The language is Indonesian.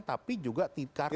tapi juga karena